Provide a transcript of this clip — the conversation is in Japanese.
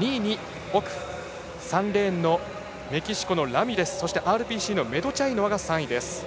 ２位に３レーンのメキシコのラミレスＲＰＣのメドチャイノワが３位です。